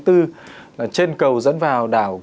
trên cầu dẫn vào đảo